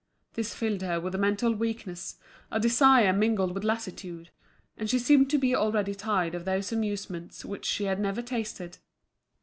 This filled her with a mental weakness, a desire mingled with lassitude; and she seemed to be already tired of those amusements which she had never tasted.